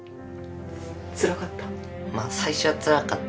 つらかった？